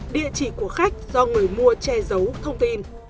địa chỉ của khách do người mua che giấu thông tin